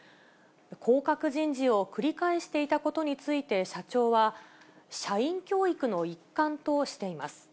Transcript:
降格人事を繰り返していたことについて社長は、社員教育の一環としています。